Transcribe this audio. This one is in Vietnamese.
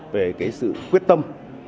về sự quyết tâm